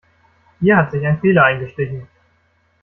Hier hat sich ein Fehler eingeschlichen.